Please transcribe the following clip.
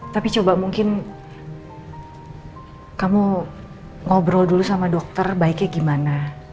tapi coba mungkin kamu ngobrol dulu sama dokter baiknya gimana